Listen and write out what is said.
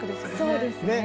そうですね。